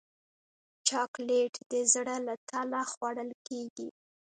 چاکلېټ د زړه له تله خوړل کېږي.